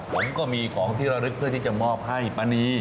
ผมก็มีของที่ระลึกเพื่อที่จะมอบให้ป้านี